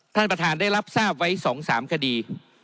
ท่านประธานได้รับทราบไว้๒๓คดี